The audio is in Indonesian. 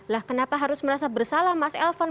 lah kenapa harus merasa bersalah mas elvan